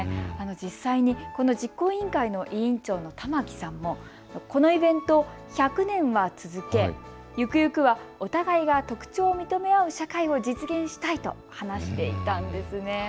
実際に実行委員会の委員長の田巻さんもこのイベント、１００年は続け、ゆくゆくはお互いが特徴を認め合う社会を実現したいと話していたんですね。